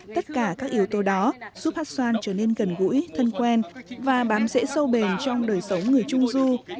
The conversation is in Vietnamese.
tất cả các yếu tố đó giúp hát xoan trở nên gần gũi thân quen và bám dễ sâu bền trong đời sống người trung du